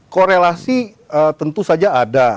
korelasi tentu saja ada